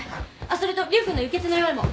あっそれと竜君の輸血の用意も。